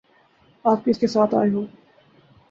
آپ کس کے ساتھ آئے ہو؟